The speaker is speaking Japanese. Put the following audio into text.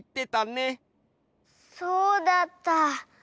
そうだった。